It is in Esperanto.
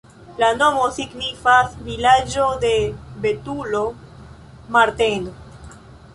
La nomo signifas vilaĝo-de-betulo-Marteno.